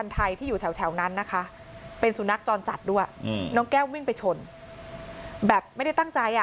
สุนัขจรจัดด้วยน้องแก้ววิ่งไปชนแบบไม่ได้ตั้งใจอ่ะ